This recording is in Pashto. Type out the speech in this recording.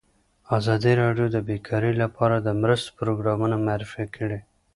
ازادي راډیو د بیکاري لپاره د مرستو پروګرامونه معرفي کړي.